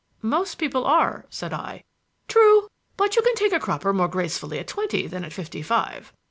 "Most people are," said I. "True; but you can take a cropper more gracefully at twenty than at fifty five.